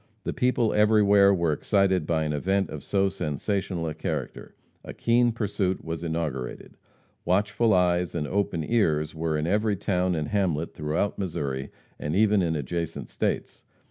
The people everywhere were excited by an event of so sensational a character. A keen pursuit was inaugurated. Watchful eyes and open ears were in every town and hamlet throughout Missouri, and even in adjacent states.